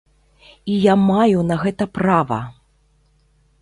І я маю на гэта права!